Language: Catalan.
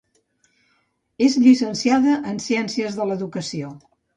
És llicenciada en Ciències de l'Educació.